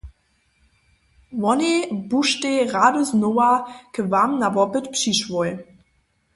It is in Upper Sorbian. Wonej buštej rady znowa k wam na wopyt přišłoj.